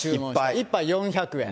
１杯４００円。